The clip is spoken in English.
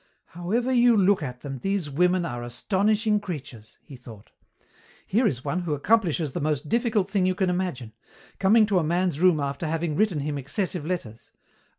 "However you look at them, these women are astonishing creatures," he thought. "Here is one who accomplishes the most difficult thing you can imagine: coming to a man's room after having written him excessive letters.